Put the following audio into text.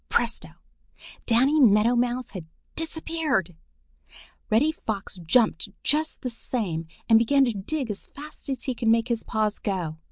Presto! Danny Meadow Mouse had disappeared! Reddy Fox jumped just the same and began to dig as fast as he could make his paws go.